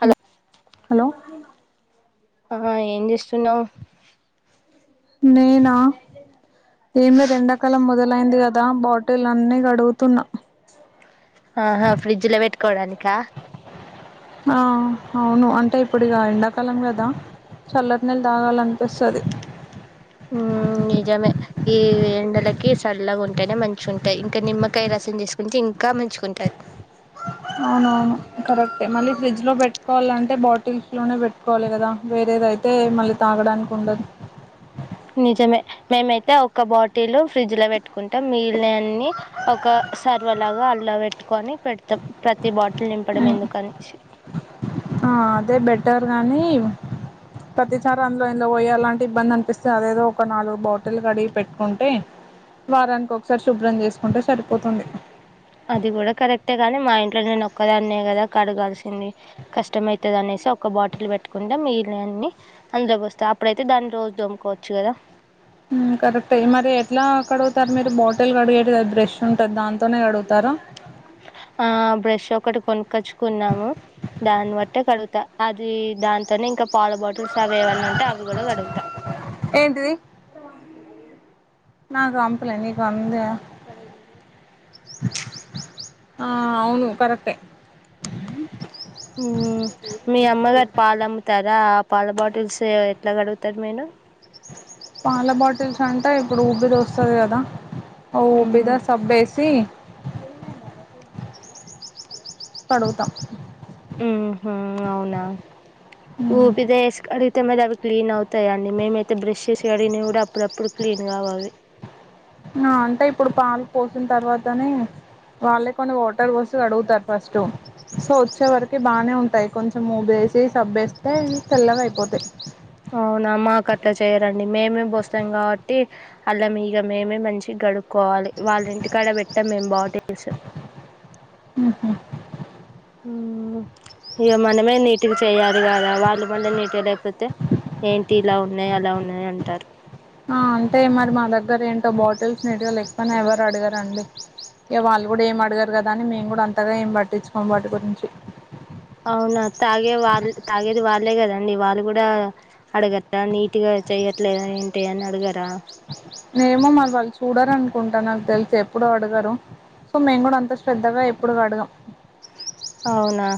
Hello hello ఆ ఏం చేస్తున్నావు్ నేనా లయింది కదా బాటిల్ అన్ని గడుగుతున్నా ఆహా ఫ్రిడ్జ్ లో పెట్కోడానికా అవును అంటే ఇప్పుడుక ఎండాకాలం కదా చల్లటి నిల్లు తాగాలనిపిస్తుంది ఉమ్ నిజమే ఈ ఎండలకి సల్లగా ఉంటానే మంచిగా ఉంటాయి ఇంకా నిమ్మకాయ రసం చేసుకుంటే ఇంకా మంచిగా ఉంటది అవునవును కరెక్టే మళ్ళీ ఫ్రిడ్జ్లో పెట్టుకోవాలంటే బాటిల్స్లోనే పెట్టుకోవాలి కదా వేరేదైతే మళ్ళీ తాగడానికి ఉండదు నిజమే మేమైతే ఒక బాటిల్ ఫ్రిడ్జ్ లో పెట్టుకుంటాం మిగిలిన అన్ని ఒక సర్వ లాగా అల్లో పెట్టుకొని పెడతాం ప్రతి బాటిల్ నింపడం ఉమ్ ఎందుక అని అదే బెటర్ కానీ ప్రతిసారి అందులో ఇందులో పోయేలాంటి ఇబ్బంది అనిపిస్తుంది అదేదో ఒక నాలుగు బాటిల్ కడిగి పెట్టుకుంటే వారానికి ఒకసారి శుభ్రం చేసుకుంటే సరిపోతుంది అది కూడా కరెక్టే కాని మా ఇంట్లో నేను ఒక్కదా అన్న కదా కడగాల్సింది కష్టమవుతుంది అనేసి ఒ బాటిల్ పెట్టుకుంటే మిగిలినవన్నీ అందులోకి పోస్తే అప్పుడైతే దాన్ని రోజు దముకోవచ్చు కదా కరెక్ట్ అ మరి ఎట్లా కడుగుతారు మీరు బాటిల్ కడిగే దగ్గర ఫ్రెష్ ఉంటుది దాంతోనే కడుగుతారుా ఆ బ్రష్ ఒకటి కొనుక్కచ్చుకున్నాము దాన్ని బట్టి కడుగుతా అది దాంతోనే ఇంకా పాల బాటిల్స్ అవి ఏవన్న ఉంటే అవి కూడా గడుగుతా నాకుమపలే నకు వంద ఆ అవును కరెక్ే మీ అమ్మగారు పాలమ్ముతారా పాల బాటిల్స్ ఎట్లా గడుగుతారు మీను పాల బాటిల్స్ అంటా ఇప్పుడు ఊబ్బిదిొస్తుంది కదా ఓ మ్మ్ విదా సబ్ బేసిీ కడుగుత ఉ హ అవునా ఊ హ్మ్ బ దస్ కడి మొత్తం మీద అవి క్లీన్ అవుతాయిండి మేమైతే బ్రష్ చేసి కడిగినవి కూడా అప్పుడప్పుడు క్లీన్గా అవ్వవి ఆ అంటే ఇప్పుడు పాలు పోసిన తర్వాతనే వాళ్ళే కొన్ని వాటర్ బోసి కడుగుతారు ఫస్ట్ సో వచ్చే వరకి బానే ఉంటాయి కొంచెం మూబేసి సబ్బేస్తే తెల్లగా అయిపోతాయి అవునా మాక అట్లా చేయరండి మేమే పోస్తాం కాబట్టి అల్లా మీగ మేమే మంచి గడుక్కోవాలి వాళ్ళ ఇంటి కడబెట్టా మేము బాగుటి తెలుసు ఆహా ఇక మనమే నీటికి చేయాలి కదా వాళ్ళు మళ్ళీ నీట లేకపోతే ఏంటి ఇలా ఉన్నాయి అలా ఉన్నాయి అంటారు ఆ అంటే మరి మా దగ్గర దగర ఏంటో బాటిల్స్ న ఇటుగా లేకకుపోనా ఎవరు అడిగారంండి ఇక వాళ్ళు కూడా ఏం అడిగారు కదా అని మేము కూడా అంతగా ఏం పట్టించుకోము అవునా తాగే వాళ్ళ తాగేది వాళ్ళే ననేమో మరి వాళ్ళు చూడాల అనుకుంటా నాకు తెలిసి ఎప్పుడు అడగరు సో మేము కూడా అంత శ్రద్ధగా ఎప్పుడు అడగాం అవునా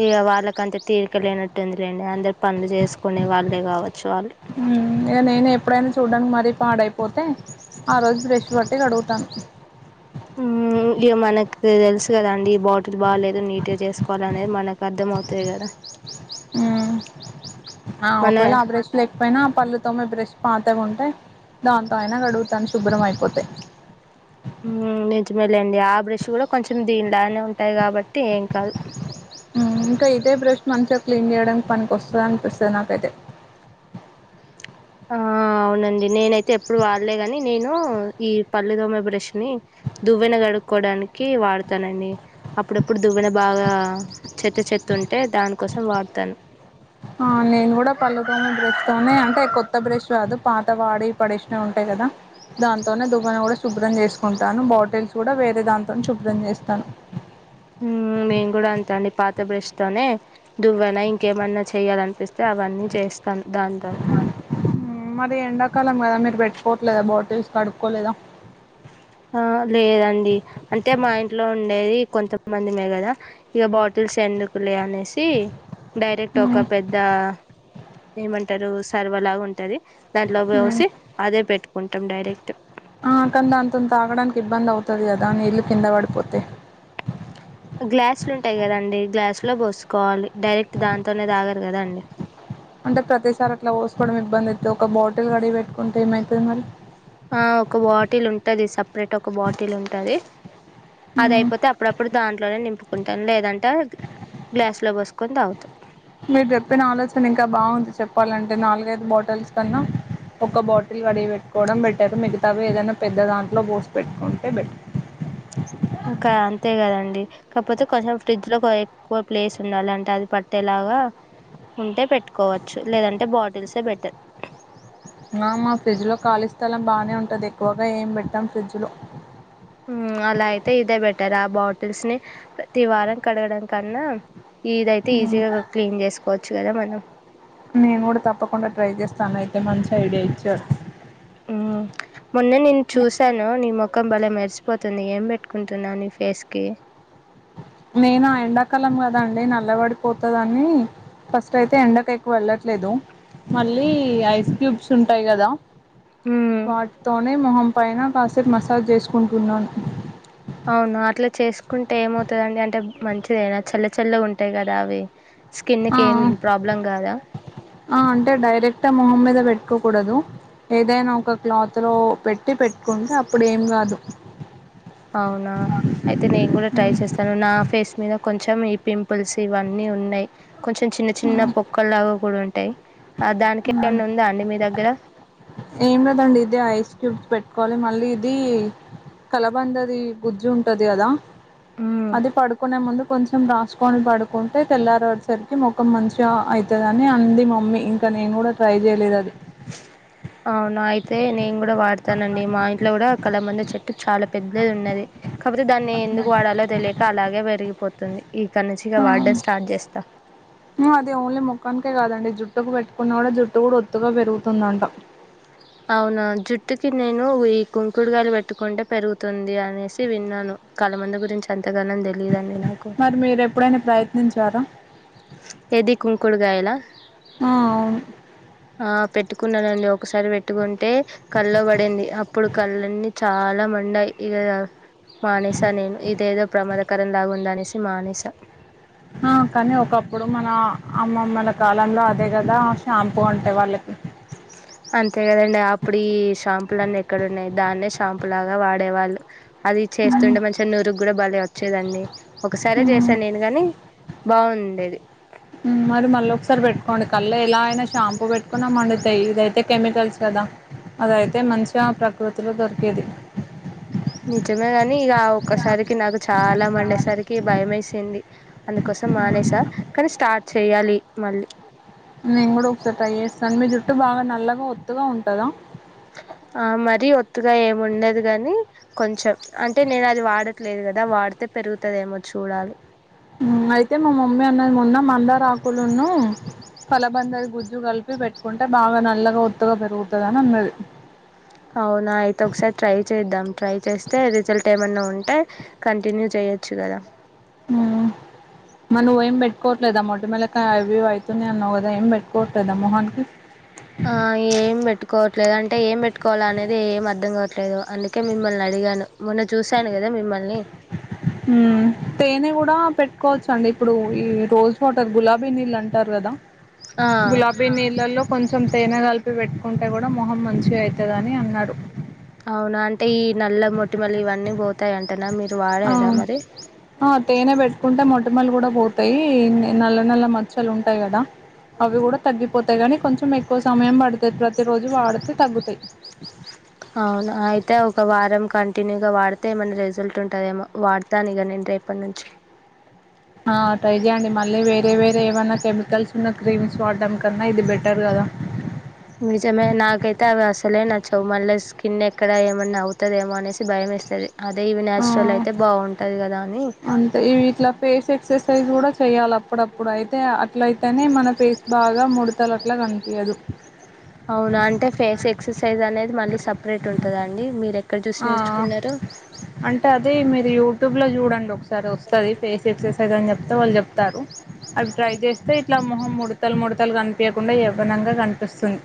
ఇక వాళ్ళకంతే తీరిక లేనట్టుందిలేండి అందరు పనులు చేసుకునే వాళ్ళే కావచ్చు వాళ్ళు నేను ఎప్పుడైనా చూడడానికి మరీ పాడైపోతే ఆ రజ బ్రెష్పట్టటి కడు తమ్ ఇ మనకు తెలుసు కద అండి ఈ బాటిల్ బాగాలేదు నీట్గా చేసుకోవాల అనేది మనకు అర్థం అవుతుది కదా ఆ మన ఒకవేళ ఆ బ్రెస్ లేకపోయినా పళ్ళుతోమ బ్రష్ పాత ఉంటాయి దాంతోయనా కడ తాను శుభ్ర అయిపోతే నించమ వెళ్ళండి ఆ బ్రష్ కూడా కొంచెం దీనిలానే ఉంటాయి కాబట్టి ఏం కాదు ఇంకా ఇదే బ్రష్ట్ మనుషా క్లీన్ చేయడానికి పనికిస్తుంద అనిపిస్తుంది నాకైతే ఆ అవునండి నేనైతే ఎప్పుడు వాడలేగాని నేను ఈ పల్లెదోమ బ్రష్ ని దువ్వెన గడుక్కోవడానికి వాడతానండి అప్పుడప్పుడు దువ్వెన బాగా చెత్త చెత్తు ఉంటే దానికోసం వాడతాను ఆ నేను కూడా పళ్ళుదోమ బ్రష్ తోనే అంటే కొత్త బ్రెష్ కాదు పాత వాడి పడేసినవి ఉంటాయి కదా దాంతోనే దుబా కూడా శుభ్రం చేసుకో చసుకుంటాను బాటిల్స్ కూడా వేరే దాంతో శుభ్రం చేస్తాను మేం కూడా అంతా అండి పాత బ్రష్ తోనే దువ్వనా ఇంకేమైనా చెయాలనిపిస్తే అవన్నీ చేస్తా క దాందాను మరి ఎండాకాలం కదా మీరు పెట్టుకోవట్లేదా బాటిల్స్ కడుక్కోలేదా ఆ లేదండి అంటే మా ఇంట్లో ఉండేది కొంతమందిమే కదా ఇక బాటిల్స్ ఎందుకులే అనేసి డైరెక్ట్ హ్మ్ ఒక పెద్ద ఏమంటారు సర్వలాగా ఉంటది హ్మ్ దనిలోసి అదే పెట్టుకు కొంటాం డైరెక్ట్ ఆ కానీ దాంత తాగడానికి ఇబ్బంది అవుతుంది కదా అని ఇల్లు కింద పడిపోతే గ్లాసులు ఉంటాయి కదండి గ్లాసు లో పోసుకోవాలి డైరెక్ట్ దాంతోనే తాగరు కదా అండి ప్పడం ఇబ్బందై ఒక బాటల్ కాడిగి పెట్ కొంటే ఏమైతుది మరి ఆ ఒక బాటిల్ ఉంటది సపరేట్ ఒక బాటిల్ ఉంటది హ్మ్ అదయిపోతే అప్పుడప్పుడు దాంట్లోనే నింపుకుంటాను లేదంటే గ్లాస్ లో పోసు కొని తాగుతా మీరు చెప్పిన ఆలోచన ఇంకా బావుంది చెప్పాలంటే నాలుగైదు బాటల్స్ కన్నా ఒక బాటిల్ కడిగి పెట్టుకోవడం బెట్ టేదు మిగతావి ఏదైనా పెద్ద దాంట్లో పోసి పెట్టుకుంటే బెటర్ ఇంకా అంతే కదండి కాకపోతే కొంచెం ఫ్రిడ్జ్ లో ఎక్కువ ప్లేస్ ఉండాలి అంటే అది పట్టేలాగా ఉంటే పెట్ పట్టుకోవచ్చు లేదంటే బాటిల్స్ తె బెటర్ నా మా ఫ్రిజ్ లో ఖాళీ స్థలం బానే ఉంటది ఎక్కువగా ఏం పెట్టం ఫ్రిజ్ లో మ్మ్ అలా అయితే ఇదే బెటర్ ఆ బాటిల్స్ ని ప్రతి వారం కడగడం కన్నా ఇదయితే ఈజీగా క్లీన్ చేసుకోవచ్చు కదా మన్ అ నేను కూడా తప్పకుండా ట్రై చేస్తానయితే మంచి ఐడియా ఇచ్చారు ఉమ్ మొన్న నేను చూసాను నీ మొఖం భలే మెరిసిపోత్ తుంది ఏం పెట్టుకుంటున్నావ్ నీ ఫేస్ కి నేనా ఎండా కాలం గ దండి నల్ల పడిపోతదని ఫస్ట్ అయితే ఎండకి ఎక్కువ వెళ్ళట్లేదు మళ్ళీ ఐస్ క్యూబ్స్ ఉంటాయి కదా మ్ వాటితోనే మొహం పైన కాసేపు మసాజ్ చేసుకుంటున్నాను అవునా అట్లా చేసుకుంటే ఏమవుతుందండి అంటే మంచిదేనా చల్ల చల్లగుంటాయి కదా అవి స్కిన్ ఆ కి ఏం ప్రాబ్లం కాదా ఆ అంటే డైరెక్ట్ ఆ మొహం మీద పెట్ కో కూడదు ఏదైనా ఒక క్లాత్ లో పెట్టి పెట్టుకుంటే అప్పుడు ఏం కాదు అవునా అయితే నేను కూడా ట్రై చేస్తాను నా ఫేస్ మీద కొంచెం ఈ పింపుల్స్ ఇవన్నీ ఉన్నాయి కొంచెం చిన్న చిన్న పొక్కల్ లాగా కూడా ఉన్ టే ఆ దానికి మ్మ్. ఏమన్నా ఉందా అండి మీ దగ్గర తడిచి పెట్టుకోవాలి మళ్ళీ ఇది కలబంద ది గుజ్జు ఉంటది కదా మ్మ్. అది పడుకునే ముందు కొంచ్ కొంచం రాసుకొని పడుకుంటే తెల్లారేసరికి ముఖం మంచిగా అయితదని అంది మమ్మీ ఇంకా నేను కూడా ట్రై చేయలేదు అది. అవును అయితే నేను కూడా వాడతానండి మా ఇంట్లో కూడా కలబంద చెట్టు చాలా పెద్దది ఉన్నది. కపోతే దాన్ని ఎందుకు వాడాలో తెలియక అలాగే వెరి పొతుంది ఉ అది ఓన్లీ మొక్కానికే కాదండి జుట్టుకు వెట్ కున్నగూడ జుట్టు కూడా ఒత్తుగా పెరుగుతుందంట అవునా జుట్టుకి నేను ఈ కుంకుడుగాయలు పెట్టుకుంటే పెరుగుతుంది అనేసి విన్నాను కలబంద గురించి అంతగనం తె మరి మీరు ఎప్పుడైనా ప్రయ త్నించ్చారా ఏది కుంకుడుగాయలా ఆ అవును ఆ పెట్టుకున్నానండి ఒకసారి వెట్టుకుంటే కళ్ళల్లో పడింది అప్పుడు కళ్ళన్నీ చాలా మండాయి ఇగ మానేసా నేను ఇదేదో ప్రమదం కరందాగా ఉందనేసి మానేస ఆ కానీ ఒకప్పుడు మన అమ్మమల కాలంలో అదే కదా షాంపూ అంటే వాళ్ళకి అంతే కదండి అప్పుడు ఈ షాంపులన్నీ ఎక్కడ ఉన్నాయి దాన్నే షాంపు లాగా వాడేవాళ్ళు అది చేస్తుంటే మంచిగా నురుకు కూడా బలే వచ్చేదండి ఒకసారే మ్ చేసాను నేను గని బాగుండేది ఉ అది మళ్ళోకసారి బెట్ కొండి కళ్లు ఎలా అయినా షాంపూ వెట్టుకున్నా మండుతయ్ ఇదయితే కెమికల్స్ కద అదయితే మంచిగా ప్రకృతిలో దొరుకు ఇది నిజమే గని ఇగ ఆ ఒక్కసారికి నాకు చాలా మండేసరికి భయమేసింది అందుకోసం మానేసా కానీ స్టార్ట్ చేయాలి మళ్ళీ నేను కూడా ఒకసారి ట్రై ఏస్తాను మీ జుట్టు బాగా నల్ల ఒత్తుగా ఉంటదా ఆ మరీ ఒత్తుగా ఏముండదు గని కొంచెం అంటే నేను అది వాడట్లేదు కదా వాడితే పెరుగుతుదేమో చూడాలి ఊ అయితే మా మమ్మీ అన్నది మొన్న మందార ఆకులును కలబంద గుజ్జు కలిపి పెట్ కుంటే బాగా నల్లగా ఒత్తుగా పెరుగుతది అని అన్నది అవునా అయితే ఒకసారి ట్రై చేద్దాం ట్రై చేస్తే రిజల్ట్ ఏమన్నా ఉంటే కంటిన్యూ చేయొచ్చు కదా ఊ మ నువ్వు ఏం పెట్టుకోవట్లేదా మొటిమలకి అవి ఇవి ఐతునయ్ అన్నావు కదా ఏం పెట్టుకోవట్లేదా మొహనికి ఆ ఏం పెట్టుకోవట్లేదు అంటే ఏం పెట్టుకోవాల అనేది ఏం అర్ధం గాద్ ట్లేదు అందుకే మిమ్మల్ని అడిగాను మొన్న చూశాను కదా మిమ్మల్ని ఉమ్ తేన కూడా పెట్ కోవచ్చు అండి ఇప్పుడు ఈ రోజు వాటర్ గులాభి నీళ్లన్ టర్రదా ఆ గులాబీ నీళ్లల్లో కొంచెం కొంచెం తేనె కలిపి పెట్టుకుంటే కూడా మొహం మంచిగా అయితదని అన్నారు అవునా అంటే ఈ నల్ల మొటిమలు ఇవన్నీ పోతాయంటనా మీరు ఆ వాడారా మరి ఆ తేనె పెట్కుంటే మొ టిమలు కూడా పోతాయి నల్ల నల్ల మచ్చలు ఉంటాయి కదా అవి కూడా తగ్గిపోతాయి అంతేగాని కొంచెం ఎక్కువ సమయం పడుత మీరు ప్రతి రోజు వాడుతే తగ్గుతాయి అవునా అయితే ఒక వారం కంటిన్యూగా వాడితే ఏమన్నా రిజల్ట్ ఉంటదేమో వాడతాను ఇక నేను రేపటి నుంచి ఆ ట్రై చేయండి మళ్ళీ వేరే వేరే ఏమన్నా కెమికల్స్ చిన్న క్రీమ్స్ వాడటం కన్నా ఇది బెటర్ కదా నిజమే నాకైతే అవి అసలే నచవు మళ్ళ స్కిన్ ఎక్కడ ఏమన్నా అవుతదేమో అనేసి భయం ఏస్టది ఆ అని అంటే ఇట్లా ఫేస్ ఎక్సర్సైజ్ కూడా చెయ్యాల ప్పుడప్పు ఇప్పుడ అయితే ఇట్లయితేనే మన పేస్ బాగా ముూడతల అట్లా కనిపీయదు అవునా అంటే ఫేస్ ఎక్ ఎక్సర్సైజ్ అనేది మళ్ళ సపరేట్ ఉంటుందా అండి మీరు ఎక్కడ చూసి ఆ నేర్చుకున్నారు అంటే అదే మీరు యూ టూబ్లో చూడండి ఒకసా సరె వస్తది ఫేస్ ఎక్సర్ ర్కైస్ దని చెప్తే వాళ్ళు చెప్తారు అవి ట్రై చేస్తే ఇట్లా మొహం ముడతలు ముడతలు కనిపి య్యకుండా యవ్వనంగా కనిపిస్తుంది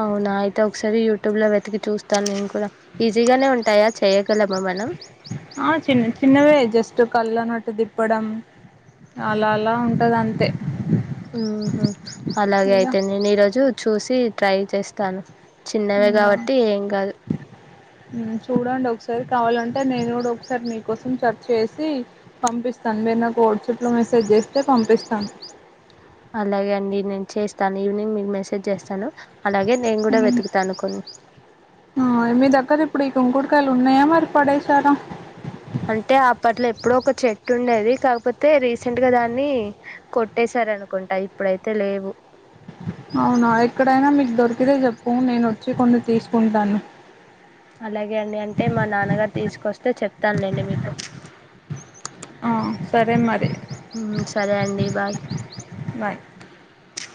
అవునా అయితే ఒకసారి యూట్యూబ్ లో వెతికి చూస్తాను నేను కూడా ఈజీగానే ఉంటాయా చేయగలమా మనం ఆ చిన్న చిన్నవే జస్ట్ కళ్ళ నటు తిప్పడం అలా అలా ఉంటది అంత ఊహు అలాగే ఇగ అయితే నేను ఈరోజు చూసి ట్రై చేస్తాను చిన్నవే కాబట్టి ఏం కాదు చూడండి ఒకసారి కావాలంటే నేను కూడా ఒకసారి మీకోసం సర్చ్ చేసి పంపిస్తాను మీరు నాకు వాట్సాప్ లో మెసేజ్ చేస్తే పంపిస్తాను అలాగే అండి నేను చేస్తాను ఈవినింగ్ మీకు మెసేజ్ చేస్తాను అలాగే నేను కూడా వెతుకుతాను కొన్ని కాదు ఇప్పుడు ఈ కుంకుడుకాయలు ఉన్నాయా మరి పడేశారా అంటే అప్పట్లో ఎప్పుడో ఒక చెట్టు ఉండేది కాకపోతే రీసెంట్గా దాన్ని కొట్టేశార అనుకుంటా ఇప్పుడైతే లేవు అవునా ఎక్కడైనా మీకు దొరికితే చెప్పు నేను వచ్చి తీసుకుంటాను అలాగే అండి అంటే మా నాన్నగారు తీసుకొస్తే చెప్తానులేండి మీకు ఆ సరే మరి సరే అండి బాయ్ బాయ్